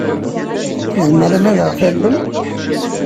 Tzemrem ad aɣ-tallem?